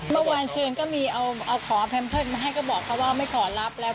เมื่อคืนก็มีเอาของแพมให้ก็บอกเขาว่าไม่ขอรับแล้ว